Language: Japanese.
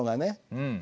うん。